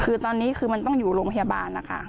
คือตอนนี้คือมันต้องอยู่โรงพยาบาลนะคะ